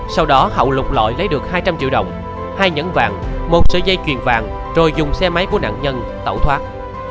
sau đó hậu lục lọi lấy được hai trăm linh triệu đồng hai nhẫn vàng một sợi dây chuyền vàng rồi dùng xe máy của nạn nhân tẩu thoát